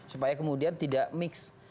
supaya kemudian tidak mix